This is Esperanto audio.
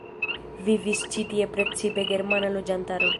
Vivis ĉi tie precipe germana loĝantaro.